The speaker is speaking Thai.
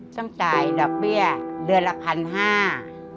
ต้องจ่ายดอกเบี้ยเดือนละพันห้า